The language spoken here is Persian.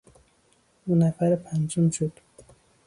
او نفر پنجم شد.